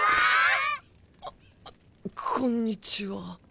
あこんにちは。